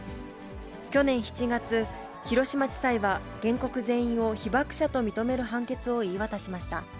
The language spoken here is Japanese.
去年７月、広島地裁は、原告全員を被爆者と認める判決を言い渡しました。